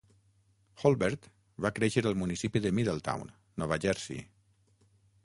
Holbert va créixer al municipi de Middletown, Nova Jersey.